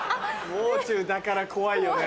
「もう中」だから怖いよね。